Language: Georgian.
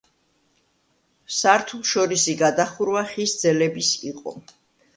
სართულშორისი გადახურვა ხის ძელების იყო.